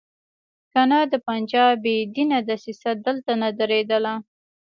کنه د پنجاب بې دینه دسیسه دلته نه درېدله.